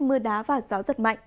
mưa đá và gió rất mạnh